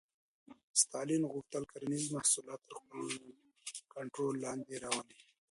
ستالین غوښتل کرنیز محصولات تر خپل کنټرول لاندې راولي.